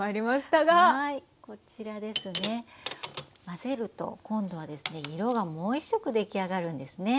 混ぜると今度はですね色がもう一色出来上がるんですね。